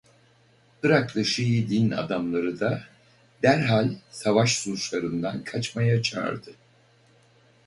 Iraklı Şii din adamları da derhal savaş suçlarından kaçmaya çağırdı.